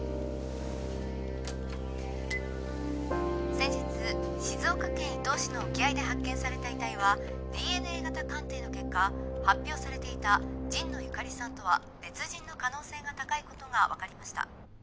先日静岡県伊東市の沖合で発見された遺体はＤＮＡ型鑑定の結果発表されていた神野由香里さんとは別人の可能性が高いことが分かりました。